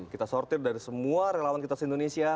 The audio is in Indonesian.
kita sortir dari semua relawan kita se indonesia